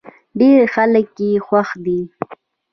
ډېری خلک يې خوښ دی.